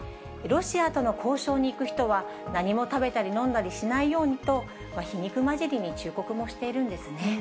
ロシアとの交渉に行く人は、何も食べたり飲んだりしないようにと、皮肉交じりに忠告もしているんですね。